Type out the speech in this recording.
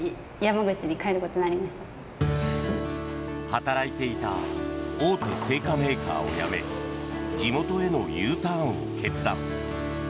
働いていた大手製菓メーカーを辞め地元へのＵターンを決断。